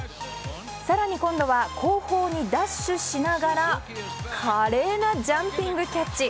更に今度は後方にダッシュしながら華麗なジャンピングキャッチ。